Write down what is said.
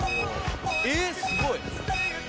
「えすごい！」